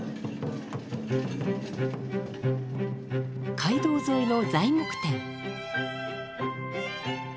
街道沿いの材木店。